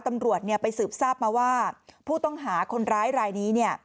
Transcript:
ตำรวจไปสืบทราบมาว่าผู้ต้องหาคนร้ายรายนี้